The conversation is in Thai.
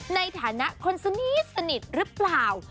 ในฐานะคนสนิทสนิทรึเปล่า